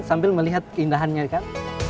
sambil melihat keindahannya kan